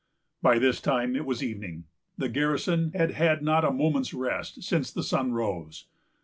By this time it was evening. The garrison had had not a moment's rest since the sun rose.